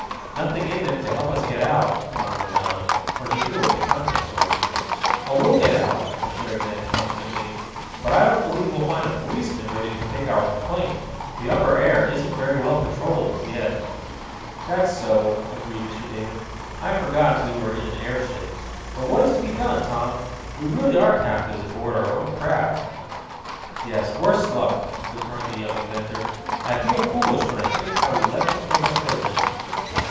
"Nothing in them to help us get out," Tom went on, for he knew what the contents were. "Oh, we'll get out," declared Ned confidently, "but I don't believe we'll find a policeman ready to take our complaint. The upper air isn't very well patrolled as yet." "That's so," agreed Mr. Damon. "I forgot that we were in an airship. But what is to be done, Tom? We really are captives aboard our own craft." "Yes, worse luck," returned the young inventor. "I feel foolish when I think how we let them take us prisoners."